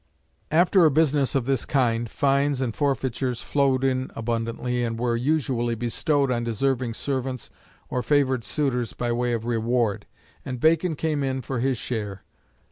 After a business of this kind, fines and forfeitures flowed in abundantly, and were "usually bestowed on deserving servants or favoured suitors by way of reward;" and Bacon came in for his share.